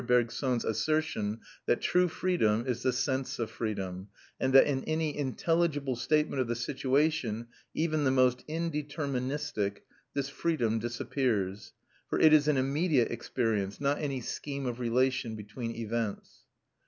Bergson's assertion that true freedom is the sense of freedom, and that in any intelligible statement of the situation, even the most indeterministic, this freedom disappears; for it is an immediate experience, not any scheme of relation between events.